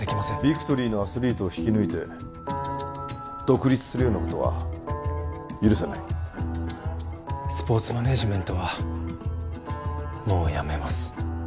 ビクトリーのアスリートを引き抜いて独立するようなことは許さないスポーツマネージメントはもうやめます